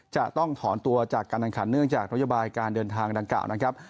จะต้องถอนตัวจากการแข่งขันเนื่องจากนโยบายการเดินทางดังกล่าวนะครับ